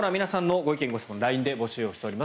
・ご質問をＬＩＮＥで募集しております。